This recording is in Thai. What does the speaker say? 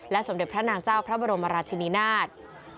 สมเด็จพระนางเจ้าพระบรมราชินินาศ